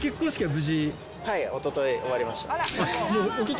はい、おととい終わりました。